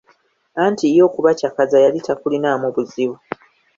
Anti ye okubacakaza yali takulinamu buzibu.